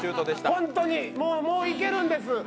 本当に、もうもういけるんです！